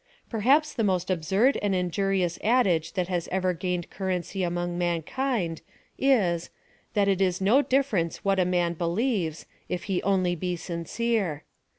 Perhaps the most absurd and injurious adage that has ever gained currency among mankind, is, that " jl is no difTerence what a man believes, if he only be sincere."